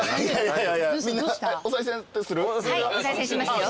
はいおさい銭しますよ。